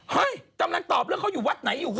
เฮ้ยกำลังตอบเรื่องเขาอยู่วัดไหนอยู่